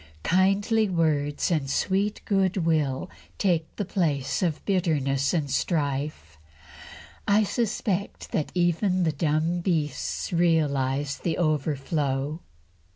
Kindly words and sweet goodwill take the place of bitterness and strife. I suspect that even the dumb beasts realise the overflow.